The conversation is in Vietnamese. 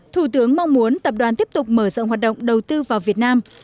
thủ tướng mong muốn tập đoàn tiếp tục mở rộng hoạt động đầu tư vào việt nam